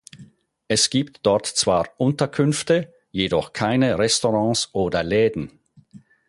Es gibt dort zwar Unterkünfte, jedoch keine Restaurants oder Läden.